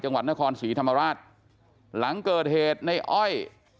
จังหวัดนครศรีธรรมราชหลังเกิดเหตุในอ้อย